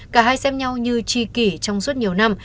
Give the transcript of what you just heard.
cả hai xem nhau như chi kỷ trong suốt nhiều năm